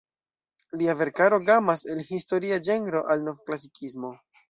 Lia verkaro gamas el historia ĝenro al Novklasikismo.